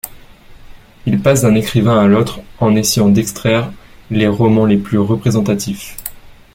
Il passe d'un écrivain à l'autre, en essayant d'extraire les romans les plus représentatifs.